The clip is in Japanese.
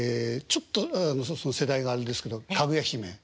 ちょっと世代があれですけどかぐや姫南こうせつ。